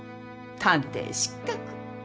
探偵失格。